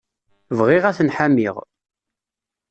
Bɣiɣ ad ten-ḥamiɣ.